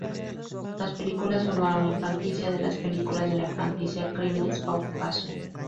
Las películas formaron la franquicia de las películas de la franquicia "Crimes of Passion".